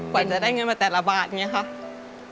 กว่าจะได้เงินมาแต่ละบาทอย่างนี้ค่ะ